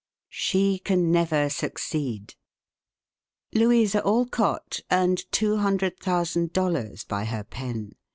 "SHE CAN NEVER SUCCEED." Louisa Alcott earned two hundred thousand dollars by her pen.